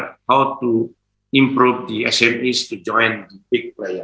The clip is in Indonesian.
bagaimana untuk meningkatkan smes untuk menyertai pemain besar